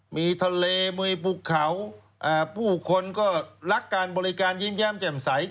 มีทะเลมีภูเขาผู้คนก็รักการบริการยิ้มแย้มแจ่มใส